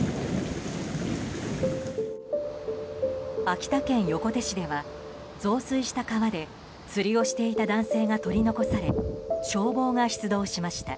秋田県横手市では増水した川で釣りをしていた男性が取り残され消防が出動しました。